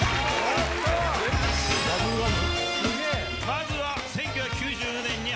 まずは１９９０年に